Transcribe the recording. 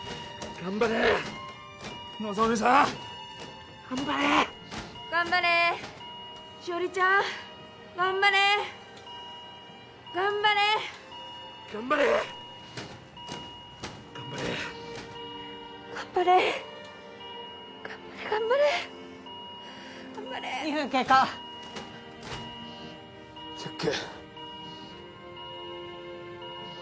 頑張れ頑張れ頑張れ頑張れ頑張れ頑張れ頑張れ頑張れ２分経過チェック